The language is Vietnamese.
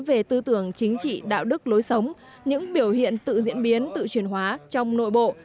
về tư tưởng chính trị đạo đức lối sống những biểu hiện tự diễn biến tự truyền hóa trong nội bộ